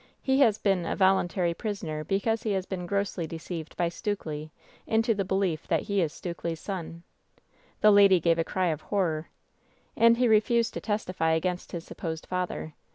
He has been a voluntary prisoner because he has been grossly deceived by Stukely into the belief that he is Stukely's son " The lady gave a cry of horror. "And he refused to testify against his supposed father.